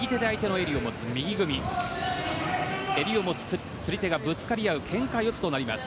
襟を持つ釣り手がぶつかり合うけんか四つとなります。